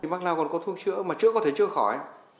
mắc lao còn có thuốc chữa mà chữa có thể chữa khỏi